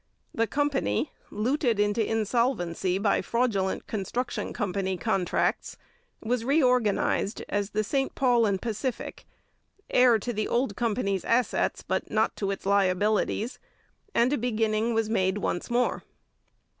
The company, looted into insolvency by fraudulent construction company contracts, was reorganized as the St Paul and Pacific, heir to the old company's assets but not to its liabilities, and a beginning was made once more.